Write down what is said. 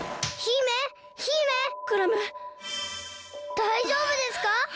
だいじょうぶですか！？